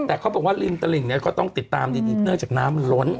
แต่เขาบอกว่าริมตลิ่งเนี่ยก็ต้องติดตามดีเนื่องจากน้ำมันล้น